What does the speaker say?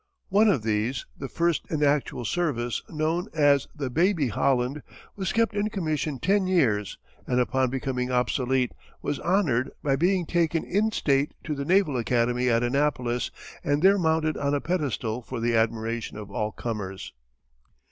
One of these, the first in actual service, known as the "Baby" Holland was kept in commission ten years and upon becoming obsolete was honoured by being taken in state to the Naval Academy at Annapolis and there mounted on a pedestal for the admiration of all comers.